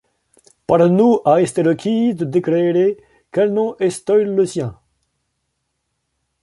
Par nous ha esté requise de déclairer quel nom estoyt le sien.